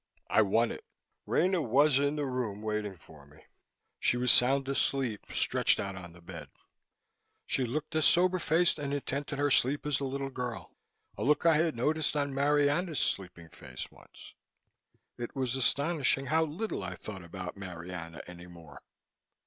I won it. Rena was in the room waiting for me. She was sound asleep, stretched out on the bed. She looked as sober faced and intent in her sleep as a little girl a look I had noticed in Marianna's sleeping face once. It was astonishing how little I thought about Marianna any more.